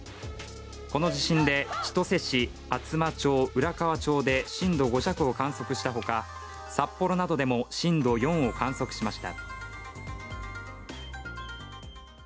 この地震で、千歳市、厚真町、浦河町で震度５弱を観測した他札幌などでも震度４を観測しました。